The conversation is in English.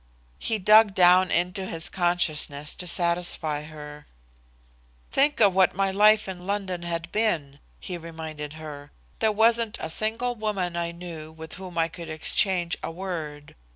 He dug down into his consciousness to satisfy her. "Think of what my life in London had been," he reminded her. "There wasn't a single woman I knew, with whom I could exchange a word.